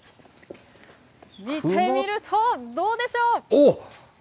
見てみると、どうでしょう。